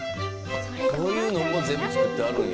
こういうのも全部作ってはるんや。